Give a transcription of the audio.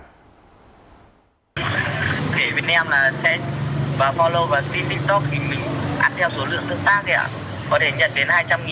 thế bên em là sẽ vào follow và tin tiktok thì mình ăn theo số lượng tương tác ấy ạ